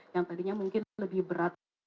yang tadinya mungkin lebih berat